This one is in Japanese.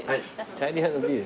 イタリアのビール。